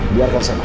biarkan saya masuk